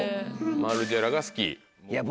マルジェラが好き。